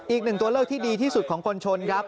อีกหนึ่งตัวเลือกที่ดีที่สุดของคนชนครับ